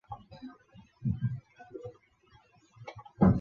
有些仿效类似性器官之触感。